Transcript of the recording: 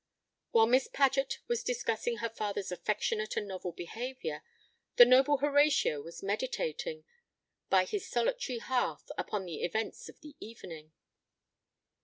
While Miss Paget was discussing her father's affectionate and novel behaviour, the noble Horatio was meditating, by his solitary hearth, upon the events of the evening.